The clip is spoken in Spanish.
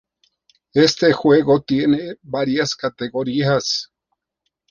Esta juego tiene varias categorías.